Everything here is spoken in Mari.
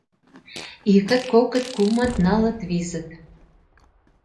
— Иктыт, коктыт, кумыт, нылыт, визыт...